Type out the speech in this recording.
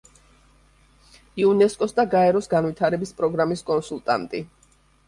იუნესკოს და გაეროს განვითარების პროგრამის კონსულტანტი.